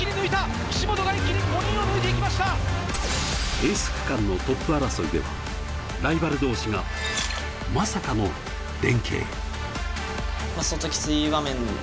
エース区間のトップ争いでは、ライバル同士がまさかの連携。